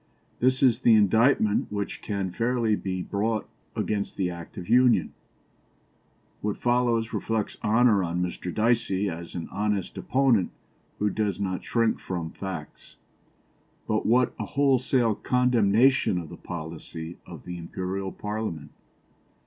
This is the indictment which can fairly be brought against the Act of Union." What follows reflects honour on Mr. Dicey as an honest opponent who does not shrink from facts; but what a wholesale condemnation of the policy of the Imperial Parliament!